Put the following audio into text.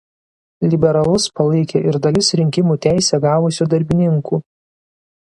Liberalus palaikė ir dalis rinkimų teisę gavusių darbininkų.